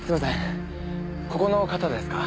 ここの方ですか？